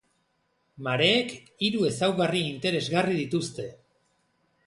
Mareek hiru ezaugarri interesgarri dituzte.